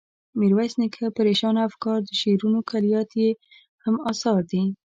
میرویس نیکه، پریشانه افکار، د شعرونو کلیات یې هم اثار دي.